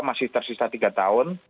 masih tersisa tiga tahun